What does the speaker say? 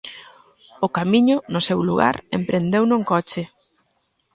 O camiño, no seu lugar, emprendeuno en coche.